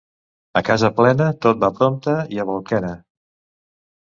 A casa plena tot va prompte i a balquena.